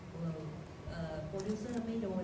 ส่วนโปรดิวเซอร์ไม่โดน